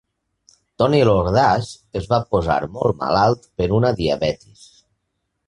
Toni Iordache es va posar molt malalt per una diabetis.